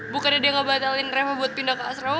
bukan dia gak batalin reva buat pindah ke asrama